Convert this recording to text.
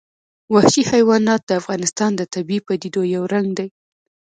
وحشي حیوانات د افغانستان د طبیعي پدیدو یو رنګ دی.